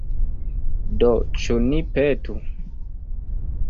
Do, ĉu ni petu?